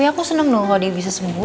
jadi aku seneng dong kalau dia bisa sembuh